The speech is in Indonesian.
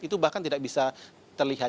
itu bahkan tidak bisa terlihat